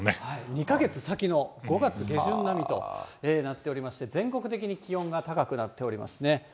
２か月先の、５月下旬並みとなっておりまして、全国的に気温が高くなっておりますね。